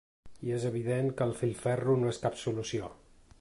I és evident que el filferro no és cap solució.